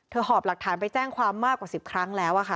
หอบหลักฐานไปแจ้งความมากกว่า๑๐ครั้งแล้วค่ะ